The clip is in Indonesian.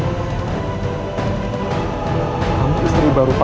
kamu istri baru papa